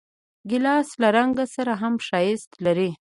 ګیلاس له رنګ سره هم ښایست لري.